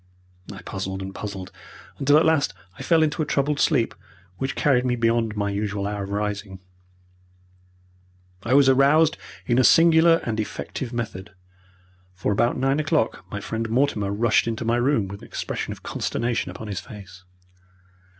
I puzzled and puzzled until at last I fell into a troubled sleep, which carried me beyond my usual hour of rising. I was aroused in a singular and effective method, for about nine o'clock my friend Mortimer rushed into my room with an expression of consternation upon his face.